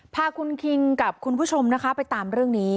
พาคุณคิงกับคุณผู้ชมนะคะไปตามเรื่องนี้